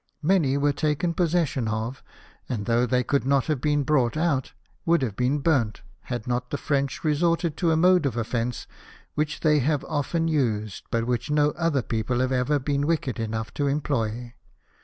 Many were taken possession of; and, though they could not have been brought out, would have been burnt had not the French resorted to a mode of offence which they have often used, but which no other people have ever been wicked enough to employ.